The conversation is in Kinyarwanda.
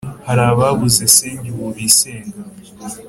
Hari ababuze senge ubu bisenga ,